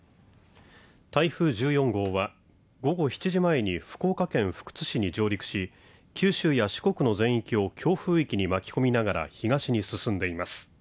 台風１４号は午後７時前に福岡県福津市に上陸し九州や四国の全域を強風域に巻き込みながら東に進んでいます。